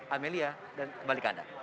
amelia kembali ke anda